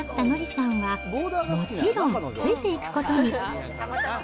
さんは、もちろんついていくことに。